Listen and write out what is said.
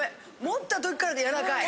持った時からやらかい！